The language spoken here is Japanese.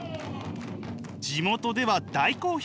地元では大好評。